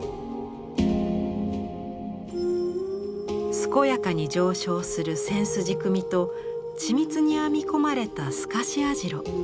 健やかに上昇する千筋組みと緻密に編み込まれた透かし網代。